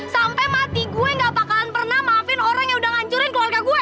sampai mati gue gak bakalan pernah maafin orang yang udah ngancurin keluarga gue